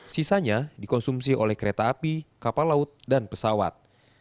sisanya dikonsumsi oleh kereta api kapal laut dan pesawat